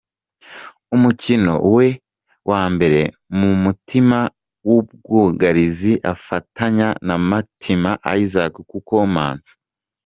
umukino we wa mbere mu mutima w’ubwugarizi afatanya na Mitima Isaac kuko Manzi.